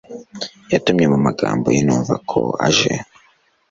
yatumye mumagambo ye numva ko aje